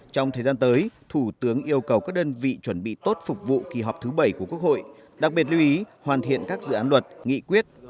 trong thời gian tới thủ tướng yêu cầu các đơn vị chuẩn bị tốt phục vụ kỳ họp thứ bảy của quốc hội đặc biệt lưu ý hoàn thiện các dự án luật nghị quyết